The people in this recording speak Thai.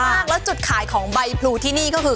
มากแล้วจุดขายของใบพลูที่นี่ก็คือ